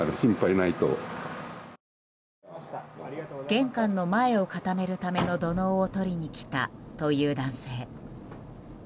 玄関の前を固めるための土のうを取りに来たという男性。